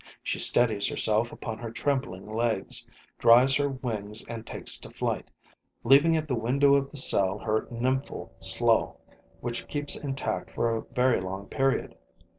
She steadies herself upon her trembling legs, dries her wings and takes to flight, leaving at the window of the cell her nymphal slough, which keeps intact for a very long period.